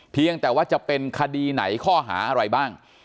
เพียงแต่ว่าจะเป็นคดีไหนข้อหาอะไรบ้าง